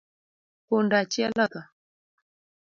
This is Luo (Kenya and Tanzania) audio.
Punda achiel otho